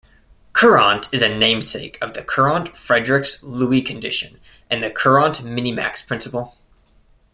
Courant is a namesake of the Courant-Friedrichs-Lewy condition and the Courant minimax principle.